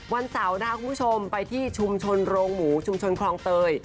วันเสาร์นะคะคุณผู้ชมไปที่ชุมชนโรงหมูชุมชนคลองเตย